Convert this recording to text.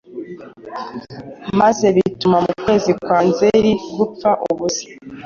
maze bituma mu kwezi kwa Nzeri gupfa ubusa